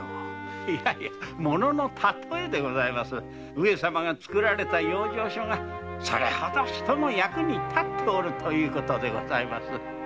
上様のつくられた養生所がそれほど人の役に立っているということでございます。